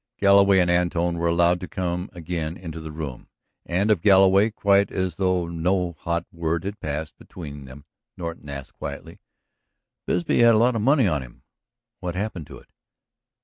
Galloway and Antone were allowed to come again into the room, and of Galloway, quite as though no hot word had passed between them, Norton asked quietly: "Bisbee had a lot of money on him. What happened to it?"